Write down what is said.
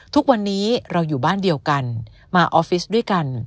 ทุกวันนี้เราอยู่บ้านเดียวกันมาออฟฟิศด้วยกัน